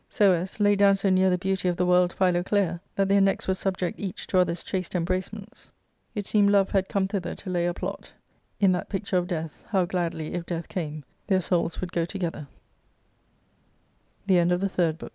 So as, laid down so near the beauty of the world Philoclea that their necks were subject each to other's chaste embracements, ARCADIA.—Book IIL 4^3 it seemed love had come thither to lay a plot, in that picture of death, how gladly, if death came, their souls would go togethe